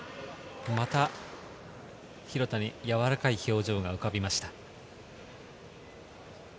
また廣田のやわらかい表情が浮かびました。